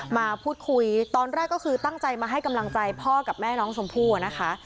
มาพูดคุยตอนแรกก็คือตั้งใจมาให้กำลังใจพ่อกับแม่น้องชมพู่นะคะ